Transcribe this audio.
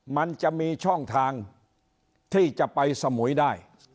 มันจะมีช่องทางที่จะไปสมุยได้